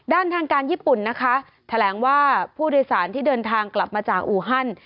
ทางการญี่ปุ่นนะคะแถลงว่าผู้โดยสารที่เดินทางกลับมาจากอูฮัน